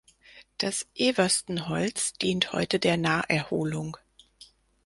Das Eversten Holz dient heute der Naherholung.